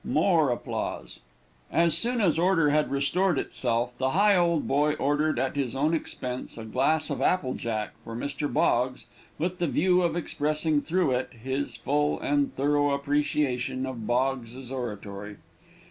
(More applause.) As soon as order had restored itself, the Higholdboy ordered, at his own expense, a glass of apple jack for Mr. Boggs, with the view of expressing, through it, his full and thorough appreciation of Boggs's oratory.